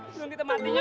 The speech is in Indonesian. belum kita mati nyok